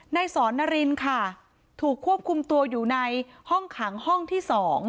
สอนนารินค่ะถูกควบคุมตัวอยู่ในห้องขังห้องที่๒